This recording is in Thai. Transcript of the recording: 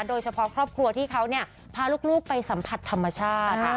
โดยเฉพาะครอบครัวที่เขาพาลูกไปสัมผัสธรรมชาติ